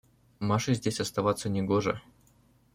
– Маше здесь оставаться не гоже.